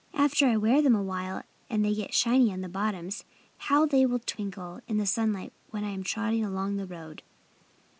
"After I wear them a while and they get shiny on the bottoms, how they will twinkle in the sunlight when I'm trotting along the road!"